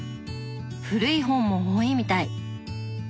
古い本も多いみたい。